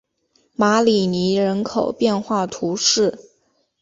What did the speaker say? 马里尼人口变化图示